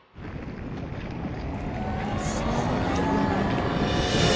すごい。